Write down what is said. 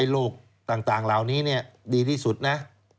โรคต่างราวนี้ดีที่สุดนะ